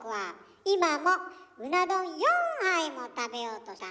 今もうな丼４杯も食べようとしてたの？